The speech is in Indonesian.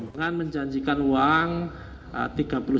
dengan menjanjikan uang tiga puluh juta dan dua puluh juta kepada pemain